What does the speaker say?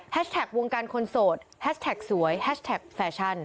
แท็กวงการคนโสดแฮชแท็กสวยแฮชแท็กแฟชั่น